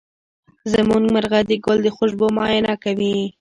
زمونږ مرغه د ګل د خوشبو معاینه کوي.